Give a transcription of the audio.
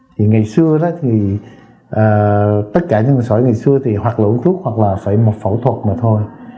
thì ngày xưa thì tất cả những sỏi ngày xưa thì hoặc là uống thuốc hoặc là phải một phẫu thuật mà thôi